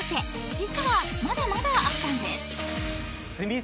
実はまだまだあったんです］